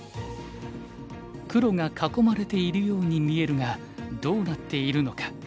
黒が囲まれているように見えるがどうなっているのか？